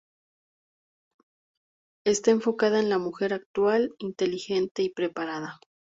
Está enfocada en la mujer actual, inteligente y preparada.